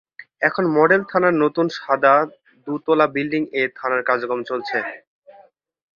এখন মডেল থানার নতুন সাদা দু’তলা বিল্ডিং-এ থানার কার্যক্রম চলছে।